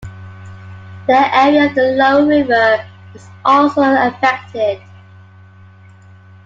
The area of the lower river was also affected.